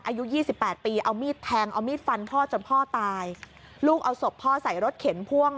อายุยี่สิบแปดปีเอามีดแทงเอามีดฟันพ่อจนพ่อตายลูกเอาศพพ่อใส่รถเข็นพ่วง